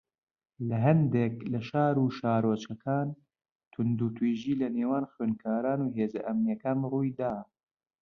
لە ھەندێک لە شار و شارۆچکەکان توندوتیژی لەنێوان خوێندکاران و هێزە ئەمنییەکان ڕووی دا